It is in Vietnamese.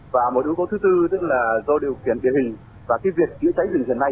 và một yếu tố thứ tư tức là do điều kiện tiền hình và cái việc chữa cháy rừng dần này